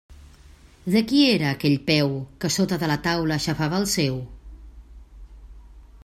De qui era aquell peu que sota de la taula xafava el seu?